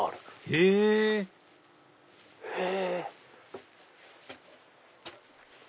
へぇへぇ。